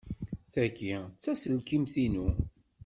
Tagi d taselkimt-inu.